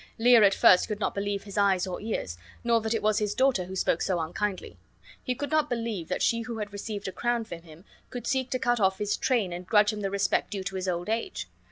Lear at first could not believe his eyes or ears, nor that it was his daughter who spoke so unkindly. He could not believe that she who had received a crown from him could seek to cut off his train and grudge him the respect due to his old age.